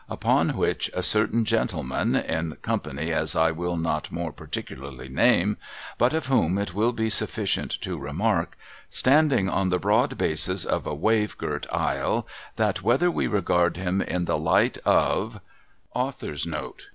Upon which a certain gentleman in company, as I will not more particularly name, — but of whom it will be suffi cient to remark, standing on the broad basis of a wave girt isle, that whether we regard him in the light of, —'"' laughed, and put the corrections in the fire.